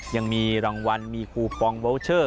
ยังมีรางวัลมีคูปองเวอร์เชอร์